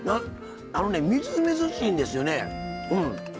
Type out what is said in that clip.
みずみずしいんですよね。